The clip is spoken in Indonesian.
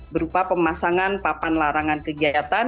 berupa pemasangan papan larangan kegiatan